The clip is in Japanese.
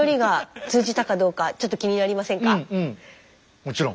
もちろん。